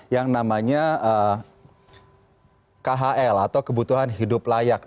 yang namanya khl atau kebutuhan hidup layak